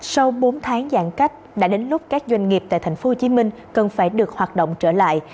sau bốn tháng giãn cách đã đến lúc các doanh nghiệp tại tp hcm cần phải được hoạt động trở lại